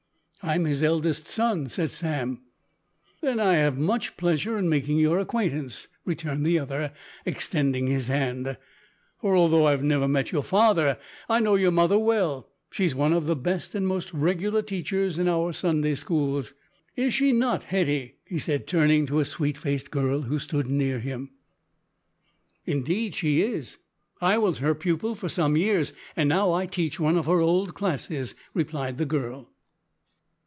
"I'm his eldest son," said Sam. "Then I have much pleasure in making your acquaintance," returned the other, extending his hand, "for although I have never met your father, I know your mother well. She is one of the best and most regular teachers in our Sunday schools. Is she not, Hetty?" he said, turning to a sweet faced girl who stood near him. "Indeed she is, I was her pupil for some years, and now I teach one of her old classes," replied the girl.